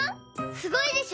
すごいでしょ！